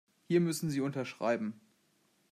Hier müssen Sie unterschreiben.